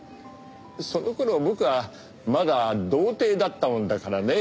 その頃僕はまだ童貞だったもんだからね。